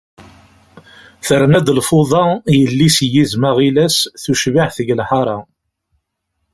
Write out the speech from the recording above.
Terna-d lfuḍa, yelli-s n yizem aɣilas, tucbiḥt deg lḥara.